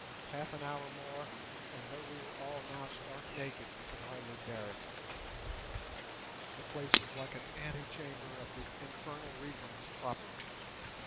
Half an hour more, and though we were all now stark naked, we could hardly bear it. The place was like an antechamber of the infernal regions proper.